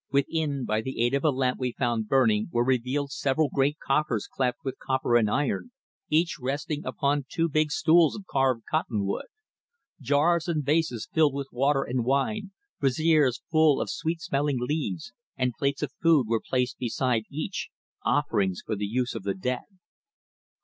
Within, by the aid of a lamp we found burning were revealed several great coffers clamped with copper and iron, each resting upon two big stools of carved cotton wood. Jars and vases filled with water and wine, braziers full of sweet smelling leaves, and plates of food were placed beside each, offerings for the use of the dead.